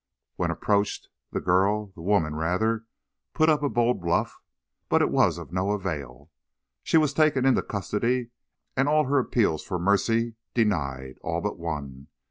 When approached, the girl, the woman rather, put up a bold bluff, but it was of no avail. She was taken into custody, and all her appeals for mercy denied. All but one.